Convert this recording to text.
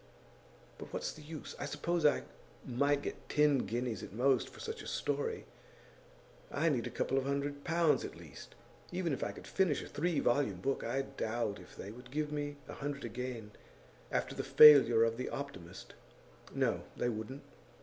'But what's the use? I suppose I might get ten guineas, at most, for such a story. I need a couple of hundred pounds at least. Even if I could finish a three volume book, I doubt if they would give me a hundred again, after the failure of "The Optimist"; no, they wouldn't.